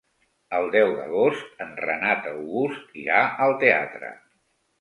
El deu d'agost en Renat August irà al teatre.